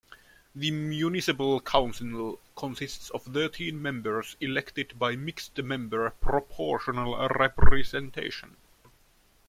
The municipal council consists of thirteen members elected by mixed-member proportional representation.